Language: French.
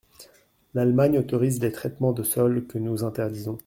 L’Allemagne autorise les traitements de sol que nous interdisons.